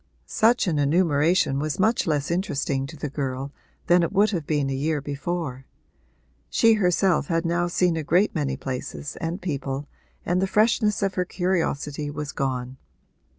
Such an enumeration was much less interesting to the girl than it would have been a year before: she herself had now seen a great many places and people and the freshness of her curiosity was gone.